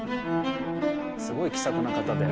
すごい気さくな方で。